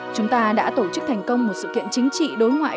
chúng ta đã tổ chức thành công một sự kiện chính trị đối ngoại